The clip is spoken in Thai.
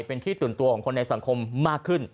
เป็นที่ตื่นตัวของคนในสังคมมากขึ้น